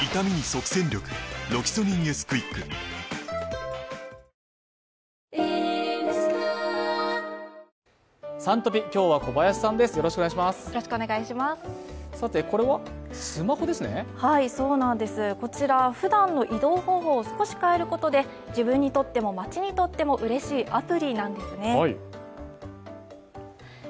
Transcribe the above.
そうなんです、こちらふだんの移動方法を少し変えることで自分にとっても街にとってもうれしいアプリなんですね。